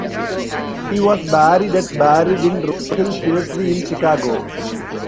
He was buried at buried in Rosehill Cemetery in Chicago.